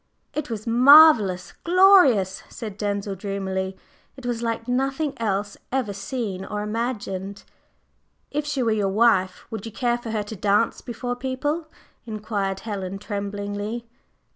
"It was marvellous glorious!" said Denzil dreamily. "It was like nothing else ever seen or imagined!" "If she were your wife, would you care for her to dance before people?" inquired Helen tremblingly.